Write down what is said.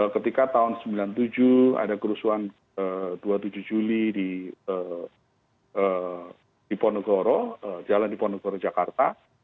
ketika tahun seribu sembilan ratus sembilan puluh tujuh ada kerusuhan dua puluh tujuh juli di jalan di ponegoro jakarta